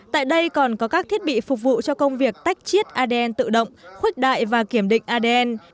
tại đây còn có các thiết bị phục vụ cho công việc tách chiết adn tự động khuếch đại và kiểm định adn